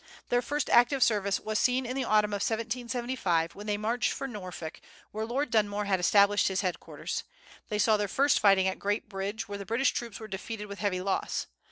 Their first active service was seen in the autumn of 1775, when they marched for Norfolk, where Lord Dunmore had established his headquarters. They saw their first fighting at Great Bridge, where the British troops were defeated with heavy loss.